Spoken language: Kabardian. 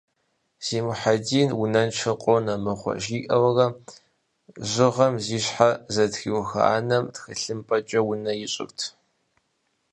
«Си Мухьэдин унэншэу къонэ мыгъуэ», жиӏэурэ жьыгъэм зи щхьэ зэтрихуа анэм тхылъымпӏэкӏэ унэ ищӏырт.